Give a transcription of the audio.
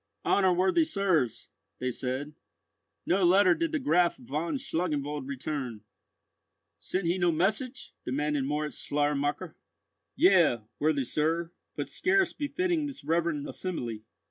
"Honour worthy sirs," they said, "no letter did the Graf von Schlangenwald return." "Sent he no message?" demanded Moritz Schleiermacher. "Yea, worthy sir, but scarce befitting this reverend assembly."